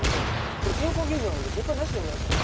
これ健康牛乳なもんでげっぷはなしでお願いします。